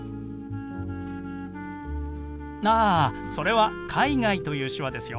ああそれは「海外」という手話ですよ。